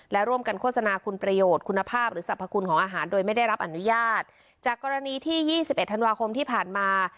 และร่วมกันโฆษณาคุณประโยชน์คุณภาพหรือสรรพคุณของอาหารโดยไม่ได้รับอนุญาตจากกรณีที่ยี่สิบเอ็ดธันวาคมที่ผ่านมา